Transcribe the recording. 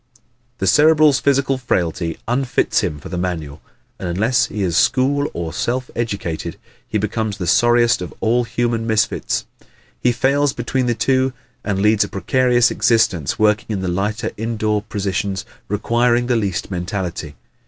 The Cerebral's physical frailty unfits him for the manual and unless he is school or self educated he becomes the sorriest of all human misfits. He falls between the two and leads a precarious existence working in the lighter indoor positions requiring the least mentality.